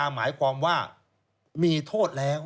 หมายความว่ามีโทษแล้ว